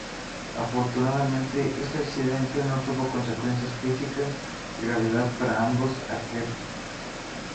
Afortunadamente, este accidente no tuvo consecuencias físicas de gravedad para ambos arqueros.